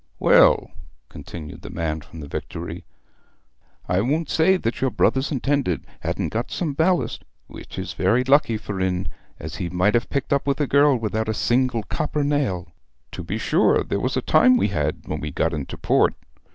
'Well,' continued the man from the Victory, 'I won't say that your brother's intended ha'n't got some ballast, which is very lucky for'n, as he might have picked up with a girl without a single copper nail. To be sure there was a time we had when we got into port!